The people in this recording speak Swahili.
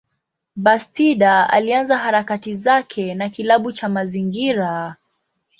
Bastida alianza harakati zake na kilabu cha mazingira.